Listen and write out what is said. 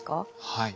はい。